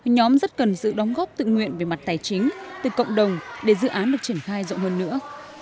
nhóm rất cần sự đóng góp tự nguyện về mặt tài chính từ cộng đồng để dự án được triển khai rộng hơn nữa